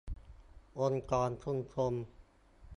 องค์กรชุมชน